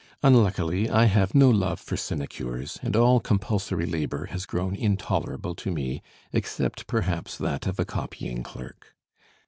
Unluckily I have no love for sinecures, and all compulsory labor has grown intolerable to me, except perhaps that of a copying clerk.